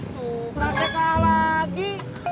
tuh tak saya kalah lagi